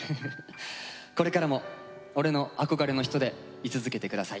これからも俺の憧れの人でい続けて下さい。